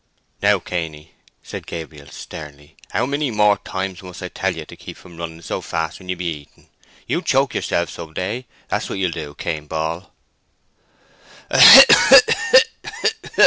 "Now, Cainy!" said Gabriel, sternly. "How many more times must I tell you to keep from running so fast when you be eating? You'll choke yourself some day, that's what you'll do, Cain Ball."